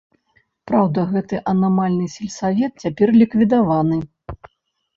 Праўда, гэты анамальны сельсавет цяпер ліквідаваны.